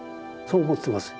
そう思ってます。